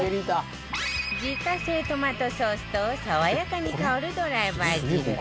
自家製トマトソースと爽やかに香るドライバジル